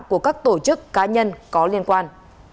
của các tổ chức cá nhân có liên quan